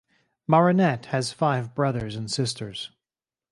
Marinette has five brothers and sisters.